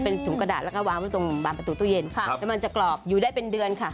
เป็นถุงกระดาษแล้วก็วางไว้ตรงบานประตูตู้เย็นแล้วมันจะกรอบอยู่ได้เป็นเดือนค่ะ